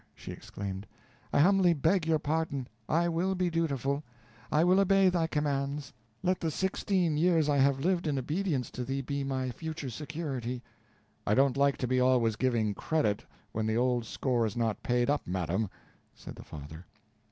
she exclaimed, "I humbly beg your pardon I will be dutiful I will obey thy commands. Let the sixteen years I have lived in obedience to thee be my future security." "I don't like to be always giving credit, when the old score is not paid up, madam," said the father.